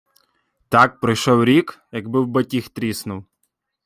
Так пройшов рік, якби в батіг тріснув.